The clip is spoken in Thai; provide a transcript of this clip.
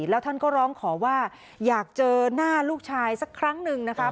แล้วท่านก็ร้องขอว่าอยากเจอหน้าลูกชายสักครั้งหนึ่งนะคะ